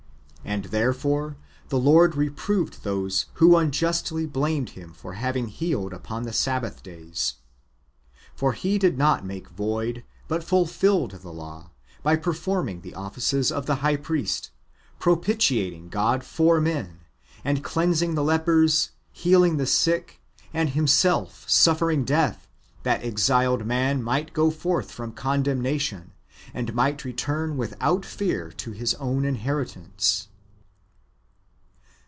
And therefore the Lord reproved those who unjustly blamed Him for having healed upon the Sabbath days. For He did not make void, but fulfilled the law, by performing the offices of the high priest, propitiating God for men, and cleansing the lepers, healing the sick, and Himself suffering death, that exiled man might go forth from condemnation, and might return without fear to his own inheritance.